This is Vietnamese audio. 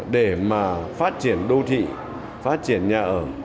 để mà phát triển đô thị phát triển nhà ở